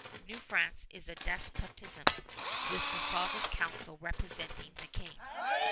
New France is a despotism, with the Sovereign Council representing the King.